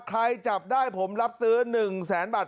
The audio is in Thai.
จับได้ผมรับซื้อ๑แสนบาท